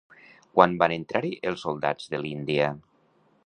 Quan van entrar-hi els soldats de l'Índia?